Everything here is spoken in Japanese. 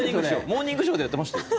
「モーニングショー」でやってましたよ。